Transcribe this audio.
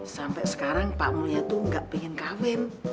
sampai sekarang pak mulya itu gak pengen kawin